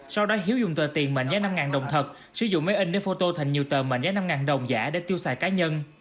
sau đó hiếu dùng tờ tiền mệnh giá năm đồng thật sử dụng máy in để phô tô thành nhiều tờ mệnh giá năm đồng giả để tiêu xài cá nhân